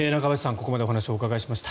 ここまでお話をお伺いしました。